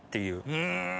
うん！